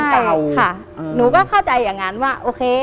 ใช่ค่ะหนูก็เข้าใจอย่างนั้นว่าโอเค